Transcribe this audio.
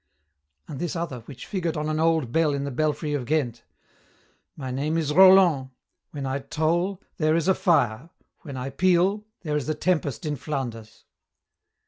And this other which figured on an old bell in the belfry of Ghent, 'My name is Roland. When I toll, there is a fire; when I peal, there is a tempest in Flanders.'"